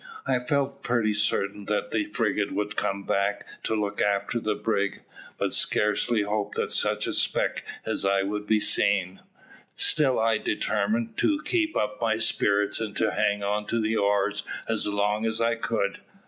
I felt pretty certain that the frigate would come back to look after the brig; but scarcely hoped that such a speck as I was would be seen. Still I determined to keep up my spirits, and to hang on to the oars as long as I could.